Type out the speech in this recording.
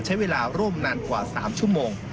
ใช้เวลาร่วมนานกว่า๓ชั่วโมง